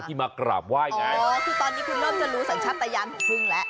มากราบไหว้ไงอ๋อคือตอนนี้คุณเริ่มจะรู้สัญชาติยานของพึ่งแล้ว